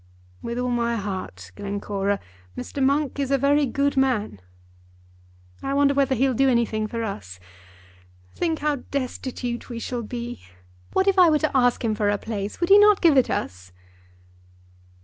"With all my heart, Glencora. Mr. Monk is a very good man." "I wonder whether he'll do anything for us. Think how destitute we shall be! What if I were to ask him for a place! Would he not give it us?"